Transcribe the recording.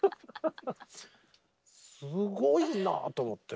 すごいなと思って。